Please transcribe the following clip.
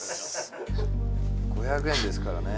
「５００円ですからね」